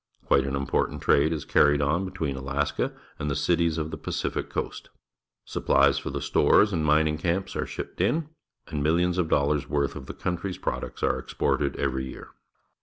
Quite an important trade is carried on between Alaska and cities of the Pacific Coast; supphes for the stores and mining camps are shipped in, and miUions of dollars' worth of the countrj^'s products are exported every year.